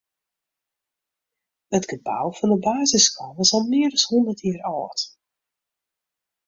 It gebou fan de basisskoalle is al mear as hûndert jier âld.